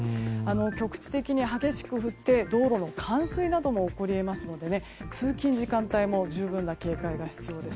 局地的に激しく降って道路の冠水なども起こり得ますので通勤時間帯も十分な警戒が必要です。